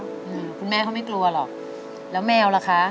คุณแม่เขาไม่กลัวหรอกแล้วแมวล่ะคะ